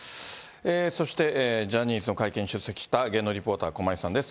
そして、ジャニーズの会見、出席した芸能リポーター、駒井さんです。